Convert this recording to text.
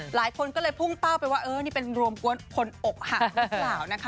หลายคนก็เลยพุ่งเป้าไปว่าเออนี่เป็นรวมกวนคนอกหักหรือเปล่านะคะ